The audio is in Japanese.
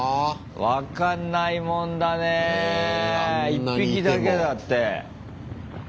１匹だけだって。